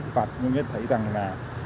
phạt nhận thấy rằng là